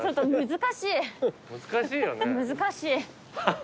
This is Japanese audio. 難しい。